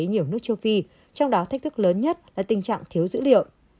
nhiều nước châu phi trong đó thách thức lớn nhất là tình trạng thiếu dữ liệu